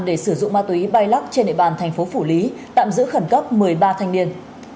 để sử dụng ma túy bay lắc trên địa bàn thành phố phủ lý tạm giữ khẩn cấp một mươi ba thanh niên